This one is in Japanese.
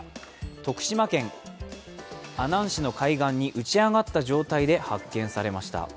徳島県阿南市の海岸に打ち上がった状態で発見されました。